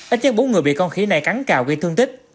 ít nhất bốn người bị con khỉ này cắn cào gây thương tích